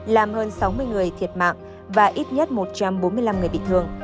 làm hơn sáu mươi người thiệt mạng và ít nhất một trăm bốn mươi năm người bị thương